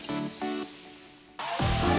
え？